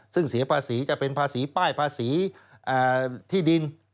ซึ่งเสียภาษีจะเป็นภาษีป้ายภาษีที่ดิน